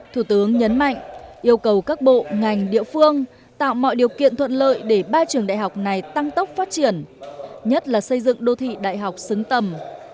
thủ tướng nhấn mạnh yêu cầu các bộ ngành địa phương tạo mọi điều kiện thuận lợi để ba trường đại học này tăng tốc phát triển nhất là xây dựng đô thị đại học xứng tầm